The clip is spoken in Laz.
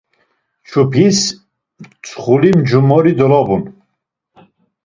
Çupis mtsxuli ncumori dolobun.